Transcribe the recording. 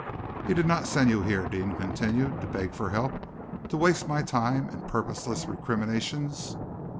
"He did not send you here," Deane continued, "to beg for help to waste my time in purposeless recriminations?"